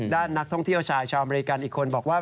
ด้านนักท่องเที่ยวชายชาวอเมริกันอีกคนบอกว่า